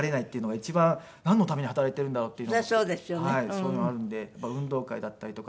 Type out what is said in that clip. そういうのがあるんで運動会だったりとか。